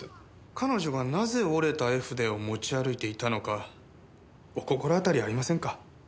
彼女がなぜ折れた絵筆を持ち歩いていたのかお心当たりありませんか？